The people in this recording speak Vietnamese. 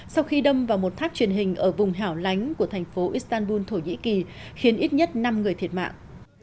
sau khi đâm vào một tháp truyền hình ở vùng hẻo lánh của thành phố istanbul thổ nhĩ kỳ khiến ít nhất năm người thiệt mạng